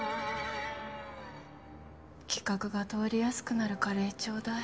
企画が通りやすくなるカレーちょうだい。